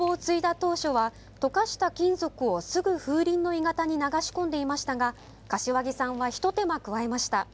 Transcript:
当初は溶かした金属をすぐ風鈴の鋳型に流し込んでいましたが柏木さんはひと手間加えました。